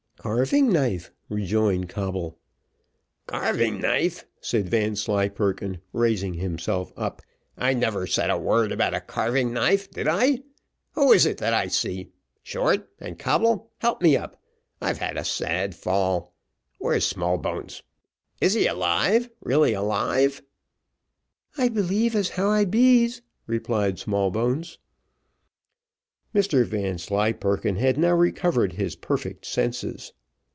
"Carving knife," rejoined Coble. "Carving knife!" said Vanslyperken, raising himself up; "I never said a word about a carving knife, did I? Who is it that I see? Short and Coble help me up. I've had a sad fall. Where's Smallbones? Is he alive really alive?" "I believe as how I bees," replied Smallbones. Mr Vanslyperken had now recovered his perfect senses.